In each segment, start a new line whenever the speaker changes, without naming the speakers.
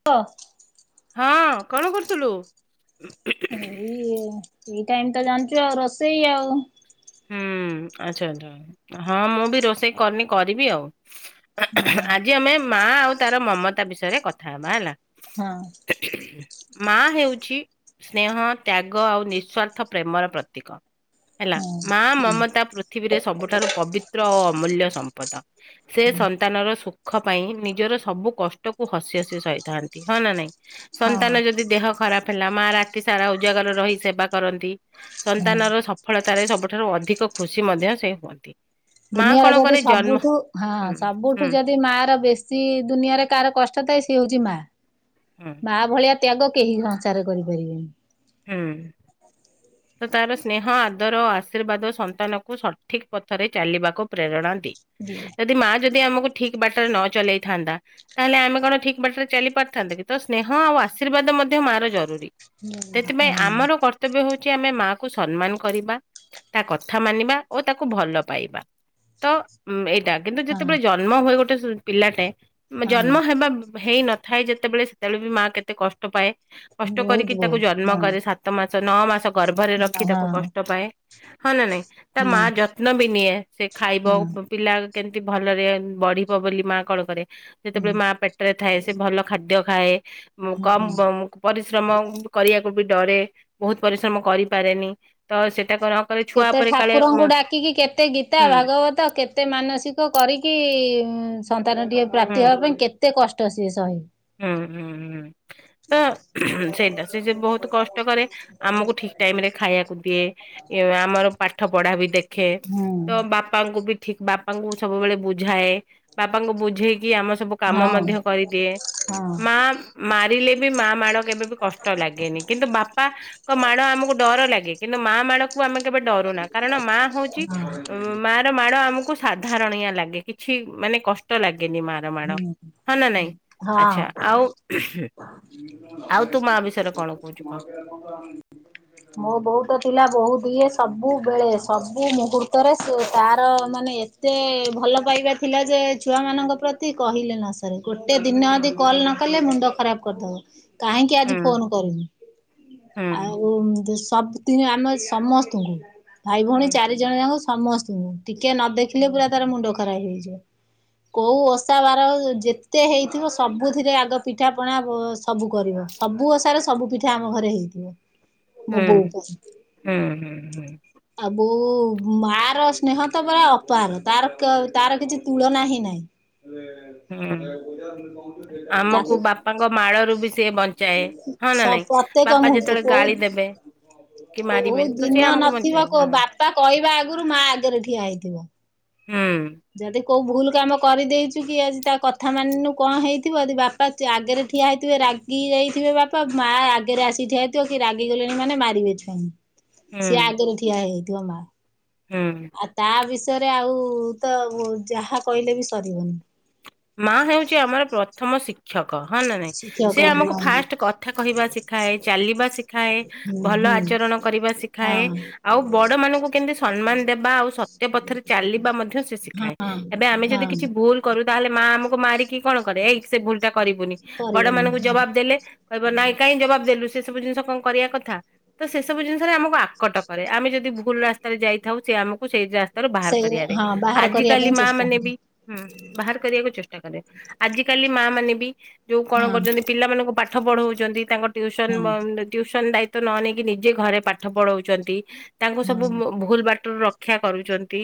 [unintelligible]
ହଁ କଣ କରୁଥୁଲୁ?
ଏଇ ଏ ଏଇ ଟାଇମ୍ ତ ଜାଣିଚୁ ଆଉ ରୋଷେଇ ଆଉ।
ହୁଁ ଆଚ୍ଛା ଆଚ୍ଛା ହଁ ମୁଁ ବି ରୋଷେଇ କରିନି କରିବି ଆଉ। ଆଜି ଆମେ ମା ଆଉ ତାର ମମତା ବିଷୟରେ କଥା ହବା ହେଲା।
ହଁ।
ମା ହେଉଚି ସ୍ନେହ ତ୍ୟାଗ ଆଉ ନିଃସ୍ଵାର୍ଥ ପ୍ରେମର ପ୍ରତୀକ ହେଲା।
ହଁ
ମା
ହୁଁ
ମମତା ପୃ ଥିବୀରେ ସବୁଠାରୁ ପବିତ୍ର ଆଉ ଅମୂଲ୍ୟ ସମ୍ପଦ। ସେ
ହୁଁ
ସନ୍ତାନର ସୁଖ ପାଇଁ ନିଜର ସବୁ କଷ୍ଟକୁ ହସି ହସି ସହିଥାନ୍ତି ହଁ ନା ନାଇଁ।
ହଁ
ସନ୍ତାନ ଯଦି ଦେହ ଖରାପ ହେଲା ମା ରାତି ସାରା ଉଜାଗରରେ ରହି ସେବା କରନ୍ତି।
ହଁ
ସନ୍ତାନର ସଫଳତାରେ ସବୁଠାରୁ ଅଧିକ ଖୁସି ମଧ୍ୟ ସେ ହୁଅନ୍ତି। ମା
ଦୁନିଆରେ
କଣ
ଯଦି
କରେ ଜନ୍ମ
ସବୁଠୁ ହଁ
ହୁଁ
ସବୁଠୁ
ହୁଁ
ଯଦି ମାର ବେ ଶୀ ଦୁନିଆରେ କାହାର କଷ୍ଟ ଥାଏ ସିଏ ହୋଉଚି ମା।
ହୁଁ।
ମା ଭଳିଆ ତ୍ୟାଗ କେହି ସଂସାର କରିପାରିବେନି।
ହୁଁ। ତ ତାର ସ୍ନେହ ଆଦର ଓ ଆଶୀର୍ବାଦ ସନ୍ତାନକୁ ସଠିକ ପଥରେ ଚାଲିବାକୁ ପ୍ରେରଣା
ଦିଏ
ଯଦି ମା ଯଦି ଆମକୁ ଠିକ ବାଟରେ ନ ଚଲେଇଥାନ୍ତା ତାହେଲେ ଆମେ କଣ ଠିକ୍ ବାଟରେ ଚାଲି ପାରିଥାନ୍ତେ କି ତ ସ୍ନେହ ଆଉ ଆଶୀର୍ବାଦ ମଧ୍ୟ ମାର ଜରୁରୀ ସେଥିପାଇଁ ଆମର
ହଁ
କର୍ତ୍ତବ୍ୟ ହଉଛି ଆମେ ମା କୁ ସମ୍ମାନ କରିବା ତା କଥା ମାନିବା ଓ ତାକୁ ଭଲ ପାଇବା। ତ ଉଁ ଏଇଟା। କିନ୍ତୁ
ହଁ
ଯେତେବେଳେ ଜନ୍ମ ହୁଏ ଗୋଟେ ପିଲାଟେ
ହଁ
ଜନ୍ମ ହେବା ହେଇନ ଥାଏ ଯେତେବେଳେ ସେତେବେଳେ ବି ମା କେତେ କଷ୍ଟ ପାଏ କଷ୍ଟ
ବହୁତ
କରିକି ତାକୁ
ବହୁତ
ଜନ୍ମ କରେ
ହଁ
ସାତ ମାସ ନଅ ମାସ ଗର୍ଭରେ ରଖି ତାକୁ
ହଁ
କଷ୍ଟ ପାଏ। ହଁ ନା ନାଇଁ ତା ମା
ହୁଁ
ଯତ୍ନ ବି ନିଏ ସେ ଖାଇବ।
ହୁଁ
ପିଲା କେମିତି ଭଲରେ ବଢିବ ବୋଲି ମା କଣ କରେ ଯେତେବେଳେ ମା
ହୁଁ
ପେଟରେ ଥାଏ ସେ ଭଲ ଖାଦ୍ୟ ଖାଏ କମ୍
ହୁଁ
ବମ୍ ପରିଶ୍ରମ କରିବାକୁ ବି ଡରେ ବହୁତ୍‌ ପରିଶ୍ରମ କରିପାରେନି। ତ ସେଟା କର।
କେତେ ଠାକୁରଙ୍କୁ ଡାକିକି କେତେ ଗୀତା
ହୁଁ
ଭାଗବତ କେତ୍ କେତେ ମାନସିକ କରିକି ସନ୍ତାନ ଟିକେ
ହୁଁ।
ପ୍ରାପ୍ତି ହବା ପାଇଁ କେତେ କଷ୍ଟ ସିଏ ସହେ।
ହୁଁ ହୁଁ ହୁଁ। ତ ସେଇଟା ସେ ଯେ ବହୁତ କଷ୍ଟ କରେ ଆମକୁ ଠିକ୍ ଟାଇମ ରେ ଖାଇବାକୁ ଦିଏ। ଆମର ପାଠ ପଢା ବି ଦେଖେ
ହୁଁ
ତ ବାପାଙ୍କୁ ବି ଠିକ୍ ବାପ୍ ବାପାଙ୍କୁ ସବୁବେଳେ ବୁଝାଏ ବାପାଙ୍କୁ ବୁଝେଇକି ଆମ ସବୁ
ହଁ
କାମ ମଧ୍ୟ କରିଦିଏ।
ହଁ
ମା ମାରିଲେ ବି ମା ମାଡ଼ କେବେ ବି କଷ୍ଟ ଲାଗେନି କିନ୍ତୁ ବାପା କ ମାଡ ଆମକୁ ଡର ଲାଗେ କିନ୍ତୁ ମା ମାଡ କୁ ଆମେ କେବେ ଡରୁନା କାରଣ ମା ହଉଛି
ହଁ
ଉ ମା। ମାଡ ଆମକୁ ସାଧାରଣିଆ ଲାଗେ କିଛି ମାନେ କଷ୍ଟ ଲାଗେନି ମାର ମାଡ ହଁ ନା ନାଇଁ। ଆଚ୍ଛା ଆଉ ଆଉ ତୁ ମା ବିଷୟରେ କଣ କହୁଛୁ କହ?
ହଁ। ମୋ ବୋଉତ ଥିଲା ବୋହୁତ୍‌ ଇଏ ସବୁବେଳେ ସବୁ ମୁହର୍ତୁ ତରେ ସୁଏ ତାର ମାନେ ଏତେ ଭଲ ପାଇବା ଥିଲା ଯେ ଛୁଆମାନଙ୍କ ପ୍ରତ୍ ତି କହିଲେ ନ ସରେ ଗୋଟେ ଦିନ
ହୁଁ
ଯଦି କଲ ନ କଲେ ମୁଣ୍ଡ ଖରାପ୍ କରିଦବ। କାହିଁକି ଆଜି
ହୁଁ
ଫୋନ କରୁନୁ
ହୁଁ
ଆଉ ମିତି ସବ୍ ତିନିଏ ଆମ ସମସ୍ତଙ୍କୁ ଭାଇ ଭଉଣୀ
ହୁଁ
ଚାରି ଜଣ ଯାକ ସମସ୍ତଙ୍କୁ। ଟିକେ ନ
ହୁଁ
ଦେଖିଲେ ପୁରା ତାର ମୁଣ୍ଡ ଖରାପ ହେଇଯିବ କୋଉ ଅସ୍‌ ଓଷା ବାର ହୋଉ ଯେତେ ହେଇଥିବ ସବୁଥିରେ ଆଗ ପିଠାପଣା ଭୋ ସବୁ କରିବ। ସବୁ ଓଷାରେ ସବୁ ପିଠା ଆମ ଘରେ ହେଇଥିବ।
[inaudible]
ମୋ ବଉ କୁ
ହୁଁ ହୁଁ
ଆଉ ବୋଉ ମା ର ସ୍ନେହ ତ ପୁରା ଅପାର ତାର ତ ତାର କିଛି ତୁଳନା ହିଁ ନାହିଁ। ଉରେ।
ହୁଁ
ତାକୁ
ଆମକୁ ବାପାଙ୍କ ମାଳରୁ ବି ସିଏ ବଞ୍ଚାଏ। ହଁ
ସ
ନା ନାଇଁ
ପ୍ରତ୍ୟେକ
ବାପା ଯେତେବେଳେ ଗାଳି ଦେବେ କି
କୋହୁ
ମାରିବେ ତ ସିଏ
ଦିନ
ଆମକୁ
ନଥିବ
ବଞ୍ଚାଏ ହଁ
କୋଉ ବାପା କହିବା ଆଗରୁ ମା ଆଗରେ ଠିଆ ହେଇଥିବ।
ହୁଁ।
ଯଦି କୋଉ ଭୁଲ କାମ କରିଦେଇଛୁ କି ଆଜି ତା କଥା ମାନିନୁ କଣ ହେଇଥିବ ଯଦି ବାପ୍ ପା ସିଏ ଆଗେରେ ଠିଆ ହେଇଥିବେ ରାଗି ଯାଇଥିବେ ବାପା ମାଆ ଆଗରେ ଆସି ଠିଆ ହେଇଥିବ କି ରାଗିଗଲେଣି ମାନେ ମାରିବେ। ଛୁ ସିଏ
ହୁଁ
ଆଗରେ ଠିଆ ହେଇଥିବ ମା।
ହୁଁ।
ଆ ତା ବିଷୟରେ ଆଉ ତ ଯାହା କହିଲେ ବି ସରିବନି।
ମା ହେଉଛି ଆମର ପ୍ରଥମ ଶିକ୍ କ୍ଷକ ହଁ ନା ନାଇଁ
ଶିଖିବାକୁ
ସେ ଆମକୁ
ହଁ
ଫାଷ୍ଟ କଥା କହିବା ଶିଖାଏ ଚାଲିବା ଶଖ ଖାଏ
ହୁଁ
ଭଲ
ହୁଁ
ଆଚରଣ କରିବା ଶିଖାଏ
ହଁ
ଆଉ ବଡ ମାନଙ୍କୁ କେମିତି ସମ୍ମାନ ଦେବା ଆଉ ସ ତ୍ଯ ପଥରେ ଚାଲିବା ମଧ୍ୟ ସେ ଶିଖାଏ
ହଁ
ଏବେ ଆମେ ଯଦି
ହଁ
କିଛି ଭୁଲ କରୁ ତାହେଲେ ମା ଆମକୁ ମାରିକ କି କଣ କରେ? ଏଇ ସେ ଭୁଲ ଟା କରିବୁନି ବଡ
କରିବନି
ମାନଙ୍କୁ
ହଁ
ଜବାବ୍ ଦେଲେ କହିବ ନାଇଁ କାଇଁ ଜବାବ୍ ଦେଲୁ ସେ ଏତେ ସବୁ ଜିନିଷ କଣ କରିବା କଥା। ତ ସେସବୁ ଜିନିଷରେ ଆମକୁ ଆକଟ କରେ ଆମେ ଯଦି ଭୁଲ ରାସ୍ତାରେ ଯାଇଥାଉ ସେ ଆମକୁ ସେଇ ରା ସ୍ତାରୁ ବାହାର
ସେଇରେ
କରିବାରେ
ହଁ ବାହାର
ଆଜି
କରିବା
କାଲି
ପାଇଁ
ମା
ଚେଷ୍ଟା
ମାନେ
କର
ବି ହୁଁ ବାହାର କରିବାକୁ ଚେଷ୍ଟା କରେ ଆଜିକାଲି ମା ମାନେ ବି ଯୋଉ କଣ
ହଁ
କରୁଛନ୍ତି ପିଲାମାନଙ୍କୁ ପା ପାଠ ପଢ଼ଉଚନ୍ତି, ତାଙ୍କ ଟ୍ୟୁସନ୍
ହଁ
ବନ୍ଦ୍ ଅ ଟିଉସନ୍ ଦାୟିତ୍ଵ ନ ନେଇକି ନିଜେ ଘରେ ପାଠ ପଢଉଛନ୍ତି ତାଙ୍କୁ ସବୁ
ହଁ
ଭୁଲ ବାଟରୁ ରକ୍ଷ ରକ୍ଷା କରୁଚନ୍ତି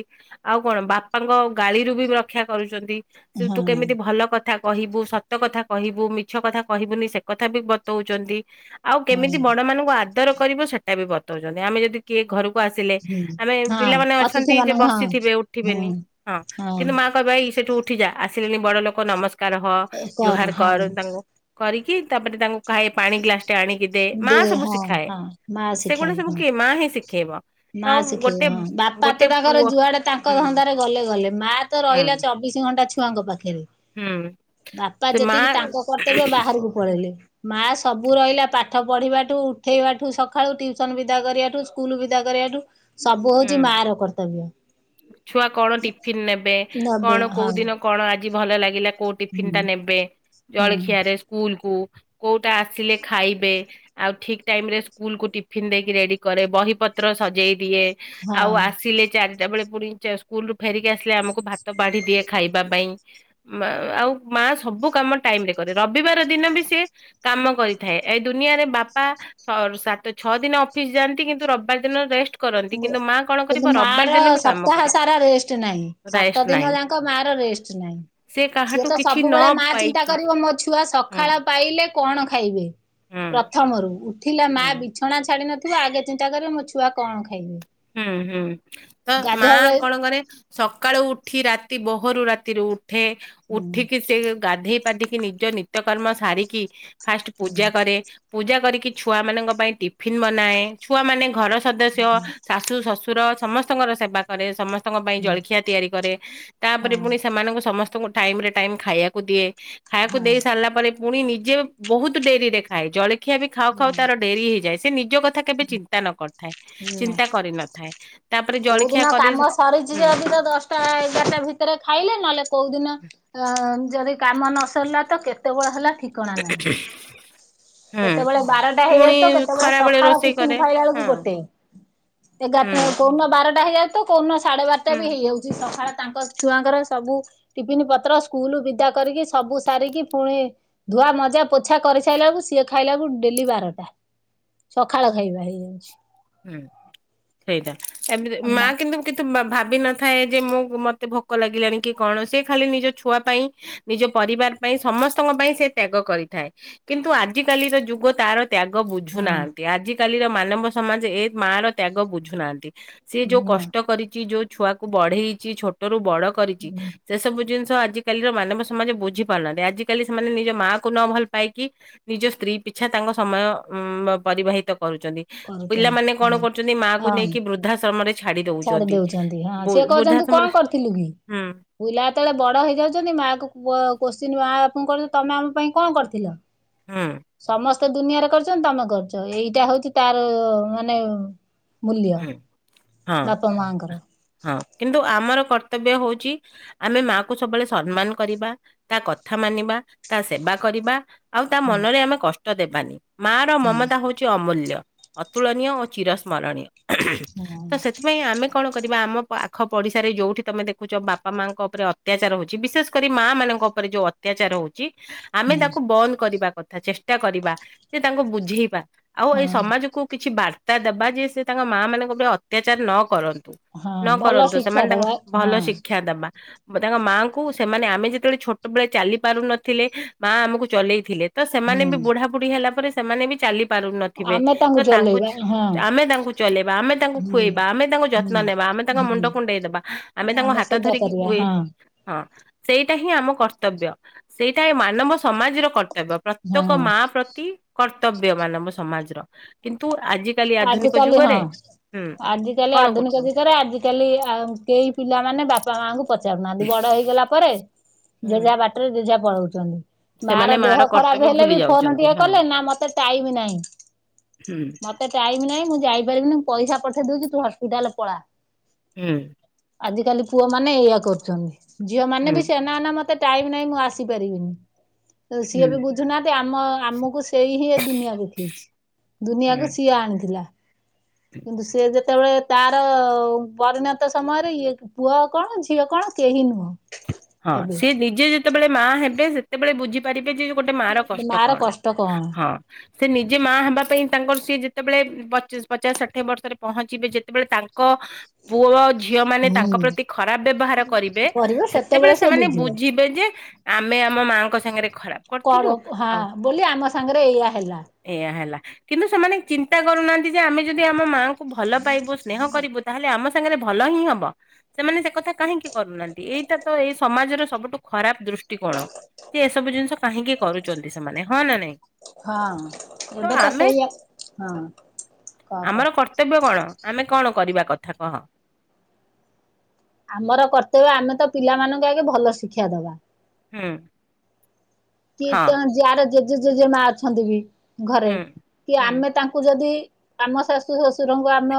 ଆଉ କଣ ବାପାଙ୍କ ଗାଳିରୁ ବି ରକ୍ଷା କରୁଚନ୍ତି। ସେ
ହଁ
ତୁ କେମିତି ଭଲ କ କଥା କହିବୁ ସତ କଥା କହିବୁ ମିଛ କଥା କହିବୁନି ସେ କଥା ବି ବତଉଚନ୍ତି। ଆଉ କେମିତି
ହଁ।
ବଡମାନଙ୍କୁ ଆଦର କରିବ ସେଟାବି ବତଉଛନ୍ତି ଆମେ ଯଦି କିଏ ଘରକୁ ଆସିଲେ
ହୁଁ
ଆମେ
ହଁ
ପିଲାମାନେ
ଅତିଥି
ଅଛନ୍ତି ଯେ
ମାନଙ୍କୁ ହଁ
ବସିଥିବେ ଉଠିବେନି
ହୁଁ
ହଁ କିନ୍ତୁ ମା
ହଁ
କହିବ ଏଇ ସେଠୁ ଉଠିଯା ଆସିଲେଣି ବଡ ଲୋକ ନମସ୍କ କାର ରହ
କର
ଜୁହାର୍
ହଁ
କର୍ ତାଙ୍କୁ କରିକି ତାପରେ ତାଙ୍କୁ ଖାଇ ପାଣି ଗ୍ଲାସ୍ ଟାଣିକି ଦେ ମା ସବୁ
ହଁ
ଶିଖାଏ
ହଁ ମା
ସେଗୁଡା
ଶିଖାଏ
ସବୁ
ହଁ।
କିଏ ମା ହିଁ ଶିଖେଇବ ତ
ମା
ଆଉ
ଶିଖେଇ
ଗୋଟେ
ହଁ ବାପା
ଗୋଟେ
ତ ତାଙ୍କର
ପୁଅ
ଯୁଆଡେ ତାଙ୍କ
ହୁଁ
ଧନ୍ଦାରେ ଗଲେ ଗଲେ ମା ତ ରହିଲା ଚ
ହୁଁ
ଚବିଶ ଘଣ୍ଟା ଛୁଆଙ୍କ ପାଖରେ
ହୁଁ
ବାପା
ସେ ମା
ଯେତିକି ତାଙ୍କ କର୍ତ୍ତବ୍ୟ ବାହାରକୁ
ହୁଁ
ପଳେଇଲେ ମା ସବୁ ରହିଲା ପାଠ ପାଠ ପଢ଼ିବାଠୁ, ଉଠେଇବାଠୁ, ସକାଳୁ ଟ୍ୟୁସନ୍ ବିଦା କରିବାଠୁ, ସ୍କୁଲ୍ ବିଦା କରିବାଠୁ ସବୁ ହୋଉଛି
ହୁଁ।
ମା ର କର୍ତ୍ତବ୍ୟ
ଛୁଆ କଣ ଟିଫିନ ନେବେ
ନବେ
କଣ
ହଁ
କୋଉ ଦିନ କଣ ଆଜି ଭଲ ଲାଗିଲା କୋଉ ଟିଫିନଟା
ହୁଁ
ନେବେ,
ହୁଁ
ଜଳଖିଆରେ ସ୍କୁଲକୁ। କୋଉଟା ଆସିଲେ ଖାଇବେ? ଆଉ ଠିକ୍ ଟାଇମ ରେ ସ୍କୁଲ କୁ ଟିଫିିନ୍ ଦେଇକି ରେଡି କରେ ବହି ପତ୍ର ସଜେଇ ଦିଏ ଆଉ
ହଁ।
ଆସିଲେ ଚାରି ଟା [unintelligible] ବେଳେ ପୁଣି ଚା [unintelligible] ସ୍କୁଲ୍ ରୁ ଫେରିକି ଆସିଲେ ଆମକୁ ଭାତ ବାଢ଼ି ଦିଏ ଖାଇବା ପାଇଁ ମା ଆଉ ମା ସବୁ କାମ ଟାଇମ୍ ରେ କରେ। ରବିବାର ଦିନ ବି ସିଏ କାମ କରିଥାଏ। ଏଇ ଦୁନିଆରେ ବାପା ସାତ ଛଅ ଦିନ ଅଫିସ୍ ଯାଆନ୍ତି କିନ୍ତୁ ରବିବାର ଦିନ ରେଷ୍ଟ କରନ୍ତି
ବ
କିନ୍ତୁ ମା କଣ କରିବ
କିନ୍ତୁ ମା
ରବିବାର
ର
ଦିନ ବି କାମ
ସପ୍ତାହ
କରିବ
ସାରା ରେଷ୍ଟ ନାହିଁ। ସାତ
ରାଇଷ୍ଟ
ଦିନ
ନାହିଁ
ଯାଙ୍କ ମା ର ରେଷ୍ଟ୍ କିଛି ନାହିଁ
ସେ
ସିଏ
କାହାଠୁ
ତ
କିଛି ନ
ସବୁବେଳେ ମା ଚିନ୍ତା
ପାଇକି
କରିବ ମୋ ଛୁଆ
ହୁଁ
ସକାଳ ପାଇଲେ କଣ ଖାଇବେ?
ହୁଁ
ପ୍ରଥମରୁ ଉଠିଲା ମା
ହୁଁ।
ବିଛ୍ ଛଣା ଛାଡ଼ି ନଥିବ ଆଗେ ଚିନ୍ତା କରିବ ମୋ ଛୁଆ କଣ ଖାଇବେ।
ହୁଁ-ହୁଁ ତ ମା
ଗାଧୁଆ ବେଳେ
କଣ କରେ? ସକାଳୁ ଉଠି ରାତି ବୋହରୁ ରାତିରୁ ଉଠେ
ହୁଁ
ଉଠିକି ସେ ଗାଧେଇ ପାଧି କି ନିଜ ନିତ୍ୟ କର୍ମ ସାରିକି ଫାଷ୍ଟ
ହୁଁ
ପୂଜା କରେ। ପୂଜା କରିକି ଛୁଆ ମାନଙ୍କ ପାଇଁ ଟିଫିନ୍ ବନାଏ। ଛୁଆ ମାନେ ଘର ସଦସ୍ୟ
ହଁ
ଶାଶୁ, ଶଶୁର ସମସ୍ତଙ୍କର ସେବା କରେ। ସମସ୍ତଙ୍କ ପାଇଁ
ହୁଁ
ଜଳଖିଆ ତିଆରି କରେ ତାପରେ
ହଁ
ପୁଣି ସେମାନଙ୍କୁ ସମସ୍ତଙ୍କୁ ଟାଇମ୍ ରେ ଟାଇମ୍ ଖାଇଆକୁ [inaudible] ଦିଏ ଖାଇଆକୁ
ହଁ
ଦେଇ ସାରିଲା ପରେ ପୁଣି ନିଜେ ବହୁତ୍ ଡେରିରେ ଖାଏ। ଜଳଖିଆ ବି ଖାଉ ଖାଉ
ହୁଁ
ତାର ଡେରି ହେଇଯାଏ। ସେ ନିଜ କଥା କେବେ ଚିନ୍ତା ନ କରିଥାଏ।
ହୁଁ ନା
ଚିନ୍ତା କରିନଥାଏ ତାପରେ
କୋଉ
ଜଳଖିଆ
ଦିନ
କରି
କାମ
ହୁଁ।
ସରିଛି ଯଦି
[unintelligible]
ତ ଦଶଟା ଏଗାରଟା ଭିତରେ ଖାଇଲେ ନହେଲେ କୋଉ ଦିନ ଆ ଯଦି କାମ ନ ସର୍ଲା ତ କେତେବେଳ ହେଲା ଠିକଣା ନାହିଁ
ହୁଁ
କେତେବେଳେ ବାରଟା
ପୁଣି
ହେଇଯାଉ ତ କେତେବେଳେ
ଖରା ବେଳେ
ସକାଳ
ରୋଷେଇ
ଟିଫିନ୍
କରେ
ଖାଇଲା ବେଳକୁ
ହଁ
ଗୋଟେ।
ହୁଁ
ଏଗାରଟା କୋଉନ ବାରଟା ହେଇଯାଉଛି ତ କୋଉନ ସାଢେ ବାରଟା
ହୁଁ
ବି ହେଇ ଯାଉଛି। ଚି ସକାଳେ ତାଙ୍କ ଛୁଆଙ୍କର ସବୁ ଟିଫିନି ପତ୍ର ସ୍କୁଲୁ [unintelligible] ବିଦା କରିକି ସବୁ ସାରିକି ପୁଣି ଧୁଆ, ମଜା, ପୋଛା କରି ସାଇଲା ବେଳୁକୁ ସିଏ ଖାଇଲାକୁ ଡେଲି ବାରଟା ସକାଳ ଖାଇବା ହେଇଯାଉଛି।
ହୁଁ ହେଇଟା ଏମିତି ମା
ଅମା
କିନ୍ତୁ କିତୁ [unintelligible] ମା ଭାବିନଥାଏ ଯେ ମୁଁ ମତେ ଭୋକ ଲାଗିଲାଣି କି କଣ ସେ ଖାଲି ନିଜ ଛୁଆ ପାଇଁ ନିଜ ପରିବାର ପାଇଁ ସମସ୍ତଙ୍କ ପାଇଁ ସେ ତ୍ୟାଗ କରିଥାଏ। କିନ୍ତୁ ଆଜିକାଲିର ଯୁଗ ତାର ତ୍ୟାଗ
ହଁ
ବୁଝୁନାହାନ୍ତି ଆଜିକାଲିର ମାନବ ସମାଜ ଏ ମା ର ତ୍ୟାଗ ବୁଝୁନାହାନ୍ତି। ସିଏ ଯୋଉ
ନା
କଷ୍ଟ କରିଚି ଯୋଉ ଛୁଆକୁ ବଢେଇଚି ଛୋଟରୁୁ ବଡ଼ କରିଚି ଏସବୁ ଜିନିଷ ଆଜିକାଲିର ମାନବ ସମାଜ ବୁଝି ପାରୁନାହାନ୍ତି ଆଜିକାଲି ସେମାନେ ନିଜ ମାଆ କୁ ନଭଲ ପାଇକି ନିଜ ସ୍ତ୍ରୀ ପିଛା ତାଙ୍କ ସମୟ ପରିବାହିତ କରୁଚନ୍ତି।
କରୁଛନ୍ତି
ପିଲାମାନେ କଣ
ହୁଁ।
କରୁଚନ୍ତି ମା କୁ
ହଁ
ନେଇକି ବୃଦ୍ଧାଶ୍ରମରେ ଛାଡି ଦଉଚନ୍ତି
ଦଉଛନ୍ତି ହଁ
ବୁ
ସିଏ
ବୃଦ୍ଧା
କହୁଛନ୍ତି କଣ
ସମରେ
କରିଥିଲୁ କି? ପିଲା ଯେତେବେଳେ ବଡ ହେଇଯାଉଚନ୍ତି ମା କୁ କୋ କୋସ୍ଚୀନ ମା ବାପକୁ କରୁଚନ୍ତି ତମେ ଆମ ପାଇଁ କଣ କରିଥିଲ।
ହୁଁ
ସମସ୍ତ ତ ଦୁନିଆରେ କରିଚନ୍ତି ତମେ କରଚ ଏଇଟା ହଉଚି ତାର ମାନେ ମୂଲ୍ୟ।
ହୁଁ ହଁ।
ତମ ମାଙ୍କର।
କିନ୍ତୁ ଆମର କର୍ତ୍ତବ୍ୟ ହଉଚି ଆମେ ମା କୁ ସବୁବେଳେ ସମ୍ମାନ କରିବା ତା କଥା ମାନିବା ତା ସେବା କରିବା ଆଉ ତା
ହୁଁ
ମନରେ ଆମେ କଷ୍ଟ ଦେବାନି ମା ର
ହୁଁ
ମମତା ହୋଉଚି ଚି ଅମୁଲ୍ୟ ଅତୁଳନୀୟ ଓ ଚିରଶ୍ନରଣୀୟ
ହଁ
ତ ସେଥିପାଇଁ ଆମେ କଣ କରିବା ଆମ ପାଖ ପଡିଶାରେ ଯୋଉଠି ତମେ ଦେଖୁଛ ବାପା ମାଙ୍କ ଉପରେ ଅତ୍ୟାଚାର ହୋଉଚି ବିଶେଷ କରି ମା ମାନଙ୍କ ଉପରେ ଯୋଉ ଅ ତ୍ୟାଚାର ହୋଉଚି ଆମେ
ହୁଁ
ତାକୁ ବନ୍ଦ କରିବା କଥା ଚେଷ୍ଟା କରିବା ଯେ ତାଙ୍କୁ ବୁଝେଇବା ଆଉ ଏଇ
ହଁ
ସମାଜକୁ କିଛି ବାର୍ତ୍ତା ଦେବା ଯେ ସେ ତାଙ୍କ ମାଆ ମାନଙ୍କ ଉପରେ ଅତ୍ୟାଚାର ନ କରନ୍ତୁ।
ହଁ
ନ
ଭଲ
କରନ୍ତୁ
ଶିକ୍ଷା
ସେମାନେ ତାଙ୍କୁ
ଦବା
ଭଲ
ହଁ
ଶିକ୍ଷା ଦେବା। ତାଙ୍କ ମାଆଙ୍କୁ ସେମାନେ ଆମେ ଯେତେବେଳେ ଛୋଟବେେଳେ ଚାଲି ପାରୁନଥିଲେ ମା ଆମକୁ ଚଲେଇଥିଲେ। ତ ସେମାନେ ବି
ହୁଁ
ବୁଢ଼ା ବୁଢୀ ହେଲା ପରେ ସେମାନେ ବି ଚାଲି ପାରୁ ନଥିବେ
ଆମେ
ତ ତାଙ୍କୁ
ଚଲେଇବା ହଁ
ଆମେ ତାଙ୍କୁ ଚଲେଇବା ଆମେ ତାଙ୍କୁ
ହୁଁ
ଖୁଆଇବା ଆମେ ତାଙ୍କୁ ଯତ୍ନ
ହୁଁ
ତ୍ନ ନେବା ଆମେ ତାଙ୍କ
ହୁଁ
ମୁଣ୍ଡ କୁଣ୍ଡେଇଦବା ଆମେ ତାଙ୍କୁ ହାତ
ସେବା
ଧରିକି
କରିବା
ଖୁଏ
ହଁ
ସେଇଟା ହିଁ ଆମ କର୍ତ୍ତବ୍ୟ ସେଇଟା ଏ ମାନବ ସମାଜର କ ର୍ତ୍ତବ୍ୟ ପ୍ରତ୍ୟେକ
ହଁ
ମା ପ୍ରତି କର୍ତ୍ତବ୍ୟ ମାନବ ସମାଜର। କିନ୍ତୁ ଆଜିକାଲି ଆଧୁନିକ
ଆଜିକାଲି
ଯୁଗରେ
ହଁ
କଣ କ
କାଲି ହ କେହି ପିଲାମାନୋନେ ବାପା ମାଙ୍କୁ ପଚାରୁନାହାନ୍ତି ବଡ ହେଇଗଲା ପରେ
ହୁଁ
ଜେଝା ବାଟ ଟରେ ଜେଝା ପଳଉଛନ୍ତି। ମା ର
ସେମାନେ
ଦେହ ଖରାପ
କର୍ତ୍ତବ୍ୟ
ହେଲେ
ଭୁଲି
ବି ଫୋନ
ଯାଉଛନ୍ତି
ଟିକେ
ହଁ
କଲେ ନା ମତେ ଟାଇମ୍ ନାହିଁ।
ହୁଁ।
ମତେ ଟାଇମ୍ ନାହିଁ ମୁଁ ଯାଇପାରିବିନି ମୁ ପଇସା ପଠେଇ ଦଉଚି ତୁ ହସ୍ପିଟାଲ ପଳା।
ହୁଁ।
ଆଜିକାଲି ପୁଅମାନେ ଏଇଆ କରୁଚନ୍ତି। ଝିଅ ମାନେ
ହୁଁ
ବି ସେ ନା ନା ମତେ ଟାଇମ ନାହିଁ ମୁଁ ଆସିପାରିବିନି। ତ ସିଏ
ହୁଁ।
ବି ବୁଝୁନାହାନ୍ତି ଆମ ଆମକୁ ସେଇ ହିଁ ଏ ଦୁନିଆ ଦେଖେଇଚି।
ହୁଁ
ଦୁନିଆକୁ କିଏ ଆଣିଥିଲା। କିନ୍ତୁ ସେ ଯେତେବେଳେ ତାର ପରିଣତ ସମୟରେ ଇଏ ପୁଅ କଣ ଝିଅ କଣ କେହି ନୁହଁ।
ହଁ
ଏବେ
ସିଏ ନିଜେ ଯେତେବେଳେ ମା ହେବେ ସେ ତେବେଳେ ବୁଝିପାରିବେ ଯେ ଗୋଟେ ମା ର କଷ୍ଟ
ମାର
କଣ।
କଷ୍ଟ କଣ?
ସେ ନିଜେ ମା ହେବା ପାଇଁ ତାଙ୍କର ସିଏ ଯେତେବେଳେ ପଚିସ ପଚାଶ ଷାଠିଏ ବର୍ଷରେ ପହଞ୍ଚିବେ, ଯେତେବେଳେ ତାଙ୍କ ଙ୍କ ପୁଅ ଝିଅ ମାନେ
ହୁଁ।
ତାଙ୍କ ପ୍ରତି ଖରାପ ବ୍ୟବହାର କରିବେ ସେତେବେଳେ ସେମାନେ ବୁଝି ବେ ଯେ ଆମେ ଆମ ମାଙ୍କ ସାଙ୍ଗରେ ଖରାପ କରିଥିଲୁ
କରଉ ହଁ
ଆଉ
ବୋଲି ଆମ ସାଙ୍ଗରେ ଏଇଆ ହେଲା।
ଏଇଆ ହେଲା। କିନ୍ତୁ ସେମାନେ ଚିନ୍ତା କରୁନାହାନ୍ତି ଯେ ଆମେ ଯଦି ଆମ ମାଆଙ୍କୁ ଙ୍କୁ ଭଲ ପାଇବୁ ସ୍ନେହ କରିବୁ ତାହେଲେ ଆମ ସାଙ୍ଗରେ ଭଲ ହିଁ ହବ ସେମାନେ ସେକଥା କାହିଁକି କରୁନାହାନ୍ତି ଏଇଟା ତ ଏଇ ସମାଜର ସବୁଠୁ ଖରାପ ଦୃଷ୍ଟିକୋଣ। ସବୁ ଜିନିଷ କାହିଁକି କରୁଛନ୍ତି ସେମାନେ। ହଁ ନା ନାଇଁ?
ହଁ
ତ
ଏବେତ
ଆମେ
ସେଇଆ ହଁ କ
ଆମର
କ।
କର୍ତ୍ତବ୍ୟ କଣ? ଆମେ କଣ କରିବା କଥା କହ?
ଆମର କର୍ତ୍ତବ୍ୟ ଆମେ ତ ପିଲା ମାନଙ୍କୁ ଆଗେ ଭଲ ଶିକ୍ଷା ଦବା।
ହୁଁ।
କି
ହଁ
ତେଣ ଯାଆର ଜେଜେ ଜେଜେ ମା ଅଛନ୍ତି ବି ଘରେ
ହୁଁ।
କି
ହୁଁ
ଆମେ ତାଙ୍କ କୁ ଯଦି ଆମ ଶାଶୁ ଶଶୁରଙ୍କୁ ଆମ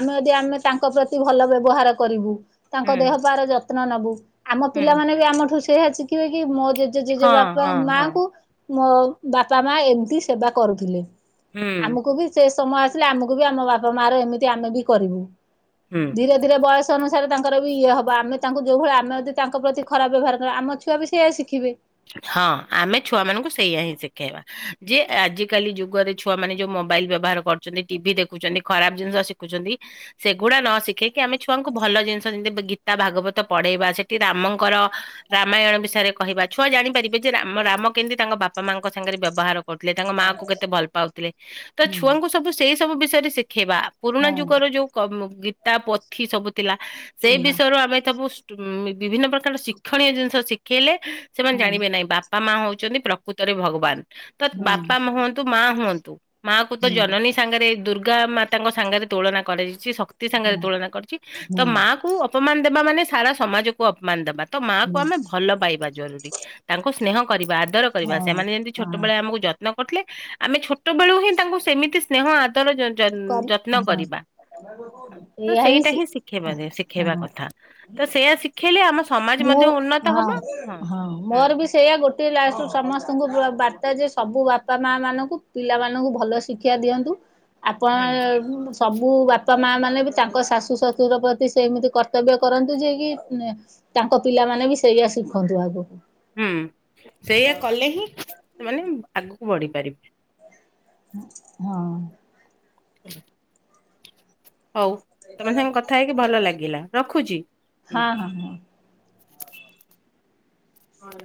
ଆମେ ଯଦି ଆମେ ତାଙ୍କ ପ୍ରତି ଭଲ ବ୍ୟବହାର କରିବୁ। ତାଙ୍କ
ହୁଁ
ଦେହ ପାର ଯତ୍ନ ନବୁ ଆମ
ହୁଁ
ପିଲାମାନେ ବି ଆମଠୁ ସେଇଆ ଶିଖିବେ କି ମୋ ଜେଜେ ଜେଜେବା
ହଁ ହଁ ହଁ
ମାଙ୍କୁ ମୋ ବାପା ମା ଏମିତି ସେବା କରୁଥିଲେ
ହୁଁ
ଆମକୁ ବି ସେ ସମୟ ଆସିଲେ ଆମକୁ ବି ଆମ ବାପା ମା ର ଏମିତି ଆମେ ବି କରିବୁ
ହୁଁ।
ଧୀରେ ଧୀରେ ବୟସ ଅନୁସାରେ ତାଙ୍କର ବି ଇଏ ହବ ଆମେ ତାଙ୍କୁ ଯେଉ ଭଳି ଆମେ ଯଦି ତାଙ୍କ ପ୍ରତି ଖରାପ ବ୍ୟବହାର କରିବା ଆମ ଛୁଆ ବି ସେଇଆ ଶିଖିବେ।
ହଁ ଆମେ ଛୁଆ ମାନଙ୍କୁ ସେଇଆ ହିଁ ଶିଖେଇବା। ଯେ ଆଜିକାଲି ଯୁଗରେ ଛୁଆମାନେ ଯୋଉ ମୋବାଇଲ ବ୍ୟବହାର କରୁଛନ୍ତି ଟିଭି ଦେଖୁଛନ୍ତି ଖରାପ ଜିନିଷ ଶିଖ ଖୁଛନ୍ତି ସେଗୁଡା ନ ଶିଖେଇକି ଆମେ ଛୁଆଙ୍କୁ ଭଲ ଜିନିଷ ଯେମତି ଗୀତା ଭାଗବତ ପଢେଇବା ସେଠି ରାମଙ୍କର ରାମାୟଣ ବିଷୟରେ କହିବା ଛୁଆ ଜାଣିପାରିବେ ଯେ ରାମରାମ କିମିତି ତାଙ୍କ ବାପା ମାଙ୍କ ସାଙ୍ଗରେ ବ୍ୟବହାର କଥିଲେ ତାଙ୍କ ମାଆ କୁ କେତେ ଭଲ ପାଉଥିଲେ ତ
ହୁଁ
ଛୁଆଙ୍କୁ ସବୁ ସେଇ ସବୁ ବିଷୟରେ ଶିଖେଇବା। ପୁରୁଣା
ହଁ
ଯୁଗର ଯୋଉ କ ଗୀତା ପଥି ସବୁ ଥିଲା ସେଇ
ହୁଁ।
ବିଷୟରୁ ଆମେ ସବୁ ଉ ବିଭିନ୍ନ ପ୍ରକାର ଶିକ୍ଷଣୀୟ ଜିନିଷ ଶିଖେଇଲେ ସେମାନେ ଜାଣିବେ
କରି
ନାହିଁ। ବାପା ମା ହଉଛନ୍ତି ପ୍ରକୃତରେ ଭଗବାନ ତ ବାପା ହୁଅନ୍ତୁ ମା ହୁଅନ୍ତୁ ମା କୁ ତ ଜନନୀ ସାଙ୍ଗରେ ଦୁର୍ଗା ମାତାଙ୍କ ସାଙ୍ଗରେ ତୁଳନା କରାଯାଇଛି ଶକ୍ ତି ସାଙ୍ଗରେ ତୁଳନା କରିଛି ତ ମା କୁ ଅପମାନ ଦେବା ମାନେ ସାରା ସମାଜକୁ ଅପମାନ ଦେବା। ତ ମା କୁ ଆମେ ଭଲ ପାଇବା ଜରୁରୀ। ତାଙ୍କୁ ସ୍ନେହ କରିବା ଆଦର କରିବା ସେମାନେ ଯେମିତି ଛୋଟ ବେଳେ ଆମକୁ ଯ ନ କରିଥିଲେ ଆମେ ଛୋଟ ବେଳୁ ହିଁ ତାଙ୍କୁ ସେମିତି ସ୍ନେହ ଆଦର ଯ-ଯ-ଯତ୍ନ କରିବା। ତ
ଏଇଆ
ସେଇଟା
ଶି
ହିଁ ଶିଖେଇବା ଶିଖେଇବା
ହଁ
କଥା ତ ସେଇୟା ଶିଖେଇଲେ ଆମ ସମାଜ
ମୁଁ
ମଧ୍ୟ ଉନ୍ନତ
ହଁ
ହବ ହଁ। ହୁଁ
ମୋର ବି ସେଇୟା ଗୋଟେ [unintelligible] ସମସ୍ତ ବାର୍ତ୍ତା ଯେ ସବୁ ବାପା ମା ମାନଙ୍କୁ ପିଲାମାନଙ୍କୁ ଭଲ ଶିକ୍ଷା ଦିଅନ୍ତୁ।
ହୁଁ।
ଆପଣ ସବୁ ବାପା ମା ମାନେ ବି ତାଙ୍କ ଶାଶୁ ଶ୍ୱଶୁର ପ୍ରତି ସେମିତି କର୍ତ୍ତବ୍ୟ କରନ୍ତୁ ଯିଏ କି ତାଙ୍କ ପିଲାମାନେ ବି ସେଇଆ ଶିଖନ୍ତୁ ଆଗକୁ।
ହୁଁ ସେଇଆ କଲେ ହିଁ ସେମାନେ ଆଗକୁ ବଢି ପାରିବେ।
ହଁ।
ହ ହଉ ତମ ସାଙ୍ଗେ କଥା ହେଇକି ଭଲ ଲାଗିଲା ରଖୁଛି ହୁଁ।
ହଁ ହଁ ହଁ।
ହଁ।